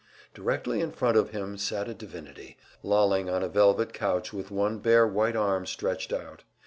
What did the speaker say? Directly in front of him sat a divinity, lolling on a velvet couch with one bare white arm stretched out.